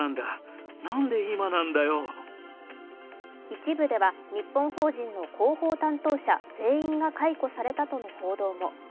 一部では日本法人の広報担当者全員が解雇されたとの報道も。